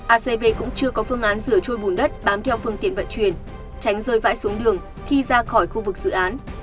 acv cũng chưa có phương án rửa trôi bùn đất bám theo phương tiện vận chuyển tránh rơi vãi xuống đường khi ra khỏi khu vực dự án